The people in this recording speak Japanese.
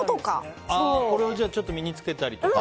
これを身に付けたりとか。